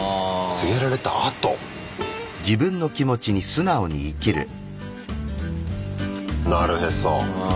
告げられた後？なるへそ。